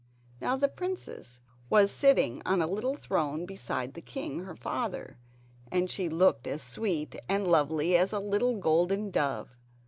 Now the princess was sitting on a little throne beside the king, her father, and she looked as sweet and lovely as a little golden dove.